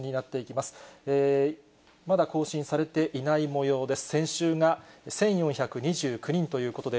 まだ更新されていないようです。